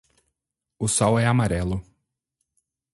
O sol é amarelo.